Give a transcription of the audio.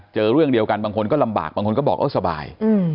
เจอเรื่องเดียวกันบางคนก็ลำบากบางคนก็บอกเออสบาย